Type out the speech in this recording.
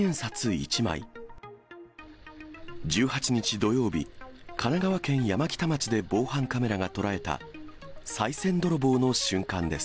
１８日土曜日、神奈川県山北町で防犯カメラが捉えたさい銭泥棒の瞬間です。